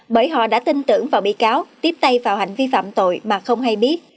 bởi họ đã tin tưởng vào bị cáo tiếp tay vào hành vi phạm tội mà không hay biết